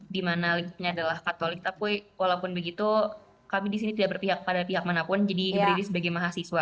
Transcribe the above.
dimana liknya adalah katolik tapi walaupun begitu kami di sini tidak berpihak pada pihak manapun jadi berdiri sebagai mahasiswa